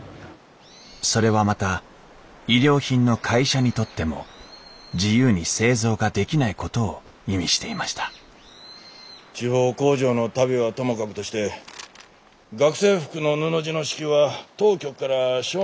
それはまた衣料品の会社にとっても自由に製造ができないことを意味していました地方工場の足袋はともかくとして学生服の布地の支給は当局から承認してもらえんらしんじゃ。